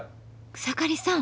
草刈さん